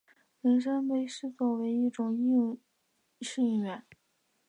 人参被珍视为一种适应原。